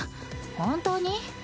本当に？